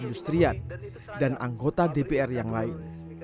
industrian dan anggota dpr yang lain